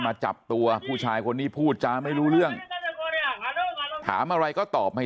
มาจับตัวผู้ชายคนนี้พูดจาไม่รู้เรื่องถามอะไรก็ตอบไม่